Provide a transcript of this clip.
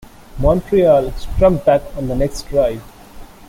Montreal struck back on the next drive.